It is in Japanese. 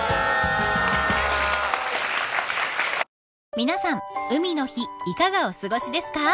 ［皆さん海の日いかがお過ごしですか？